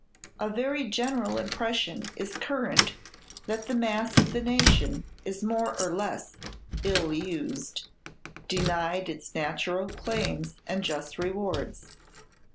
A very general impression is current that the mass of the nation is more or less "ill used," denied its natural claims and just rewards.